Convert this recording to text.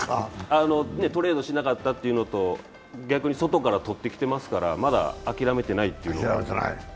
トレードしなかったというのと、逆に外からとってきてますからまだ諦めてないというのが。